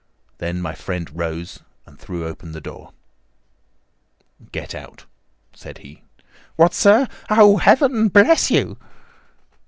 Then my friend rose and threw open the door. "Get out!" said he. "What, sir! Oh, Heaven bless you!"